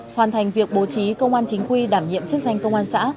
hoàn thành việc bố trí công an chính quy đảm nhiệm chức danh công an xã